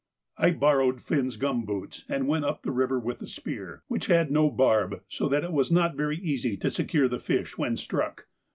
I borrowed Finn's gum boots and went up the river with the spear, which had no barb, so that it was not very easy to secure the fish when struck.